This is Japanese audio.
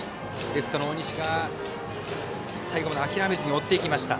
レフトの大西が最後まで諦めずに追っていきました。